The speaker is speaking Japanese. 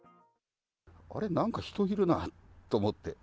あれ、なんか人がいるなと思って。